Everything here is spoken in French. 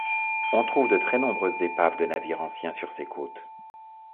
On trouve de très nombreuses épaves de navires anciens sur ses côtes.